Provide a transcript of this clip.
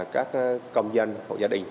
các công dân hộ gia đình